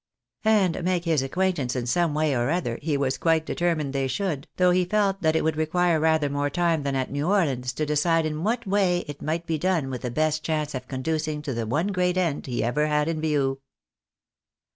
And make his acquaintance in some way or other, he was quite determined they should, though he felt that it would require rather more time than at New Orleans, to decide in what way it might be done with the best chance of conducing to the one great end he ever had in view.